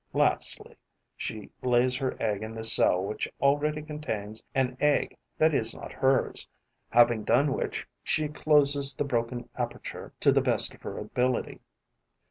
Lastly, she lays her egg in this cell which already contains an egg that is not hers, having done which she closes the broken aperture to the best of her ability.